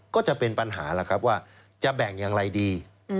ก็จะเป็นปัญหาแล้วครับว่าจะแบ่งอย่างไรดี